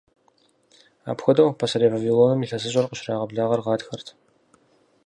Апхуэдэу, Пасэрей Вавилоным ИлъэсыщӀэр къыщрагъэблагъэр гъатхэрт.